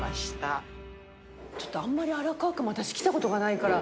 ちょっとあんまり荒川区も私来たことがないから。